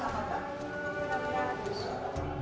pengisian yang pernah berlaku sama kak